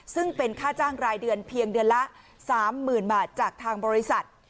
ซึ่งเป็นค่าจ้างรายเดือนเพียงเดือนละ๓๐๐๐บาทจากทางบริษัท